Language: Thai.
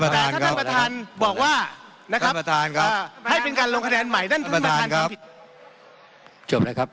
แต่ท่านประธานบอกว่านะครับ